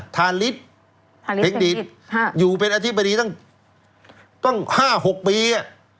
ธาริสเพคนดิตอยู่เป็นอธิบดีตั้ง๕๖ปี